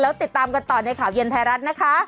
แล้วติดตามกันต่อในข่าวเย็นไทยรัฐนะคะ